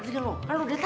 tidak ada yang noloh